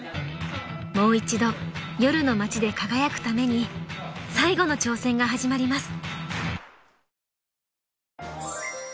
［もう一度夜の街で輝くために最後の挑戦が始まります］